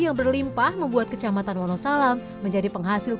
kopi xelsa adalah varietas terkenal di wonosalam